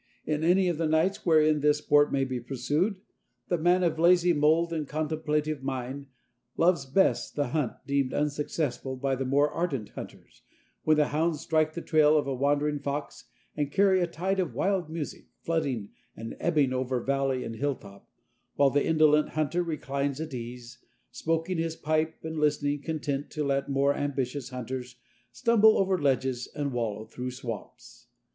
In any of the nights wherein this sport may be pursued, the man of lazy mould and contemplative mind loves best the hunt deemed unsuccessful by the more ardent hunters, when the hounds strike the trail of a wandering fox and carry a tide of wild music, flooding and ebbing over valley and hilltop, while the indolent hunter reclines at ease, smoking his pipe and listening, content to let more ambitious hunters stumble over ledges and wallow through swamps.